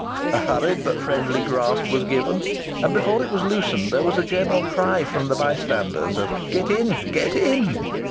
A hurried but friendly grasp was given; and before it was loosened there was a general cry from the bystanders of "Get in, get in!"